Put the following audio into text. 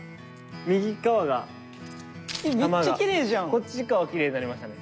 こっち側はきれいになりましたね。